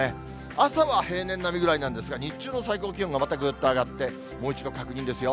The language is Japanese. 朝は平年並みぐらいなんですが、日中の最高気温がまたぐっと上がって、もう一度確認ですよ。